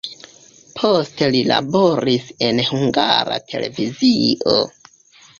Poste li laboris en Hungara Televizio.